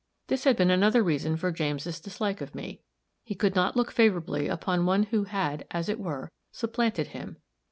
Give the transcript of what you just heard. This had been another reason for James' dislike of me. He could not look favorably upon one who had, as it were, supplanted him.